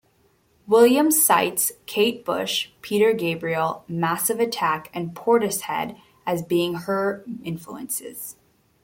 Williams cites Kate Bush, Peter Gabriel, Massive Attack, and Portishead as being her influences.